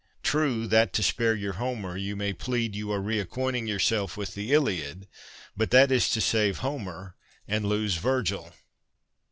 True, that to spare your Homer you may plead you are re acquainting yourself with the Iliad, but that is to save Homer and lose Virgil.